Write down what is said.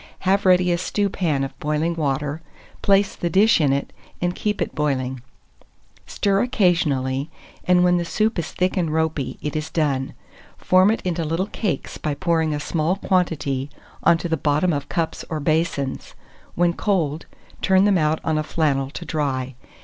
Have ready a stewpan of boiling water, place the dish in it, and keep it boiling; stir occasionally, and when the soup is thick and ropy, it is done. Form it into little cakes by pouring a small quantity on to the bottom of cups or basins; when cold, turn them out on a flannel to dry.